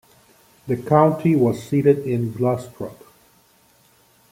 The county was seated in Glostrup.